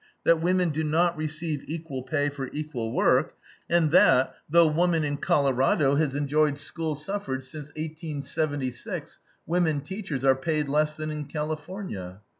That women do not receive equal pay for equal work, and that, though woman in Colorado has enjoyed school suffrage since 1876, women teachers are paid less than in California."